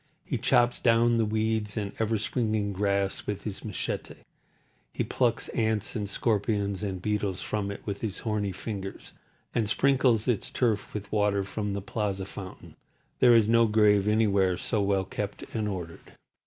He chops down the weeds and ever springing grass with his machete, he plucks ants and scorpions and beetles from it with his horny fingers, and sprinkles its turf with water from the plaza fountain. There is no grave anywhere so well kept and ordered.